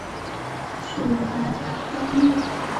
属淮南东路。